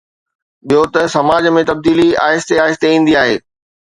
ٻيو ته سماج ۾ تبديلي آهستي آهستي ايندي آهي.